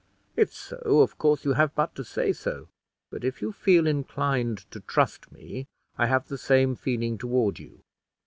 If so, of course you have but to say so; but if you feel inclined to trust me, I have the same feeling toward you.